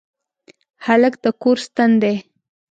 هلک د کور ستن دی.